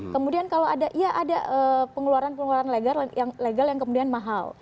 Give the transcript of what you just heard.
kemudian kalau ada pengeluaran pengeluaran legal yang kemudian mahal